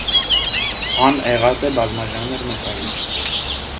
Ան եղած է բազմաժանր նկարիչ։